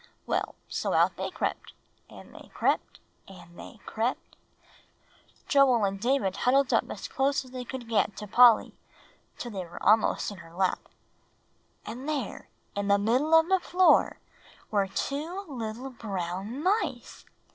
Well, so out they crept and they crept and they crept" Joel and David huddled up as close as they could get to Polly, till they were almost in her lap "And there, in the middle of the floor, were two little brown mice!"